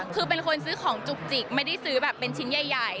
คือเป็นคนซื้อของจุกจิกไม่ได้ซื้อแบบเป็นชิ้นใหญ่